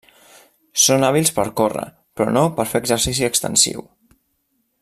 Són hàbils per córrer, però no per fer exercici extensiu.